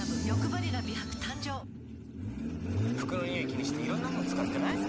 気にしていろんなもの使ってない？